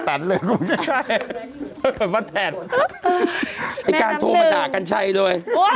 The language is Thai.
ไอ้กามโทรมาด่ากันใช้เลย